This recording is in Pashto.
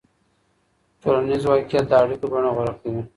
ټولنیز واقعیت د اړیکو بڼه غوره کوي.